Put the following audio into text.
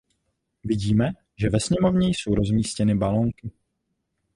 Vidíme, že ve sněmovně jsou rozmístěny balonky.